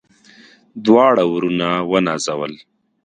دواړه وروڼه ونازول.